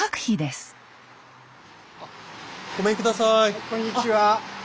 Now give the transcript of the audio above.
あっこんにちは。